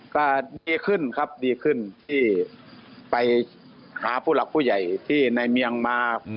ก็ดีขึ้นครับดีขึ้นที่ไปหาผู้หลักผู้ใหญ่ที่ในเมียงมา